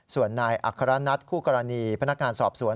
ส่วนนายอัครนัทคู่กรณีพนักงานสอบสวน